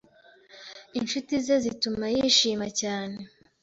inshuti ze zituma yishima cyane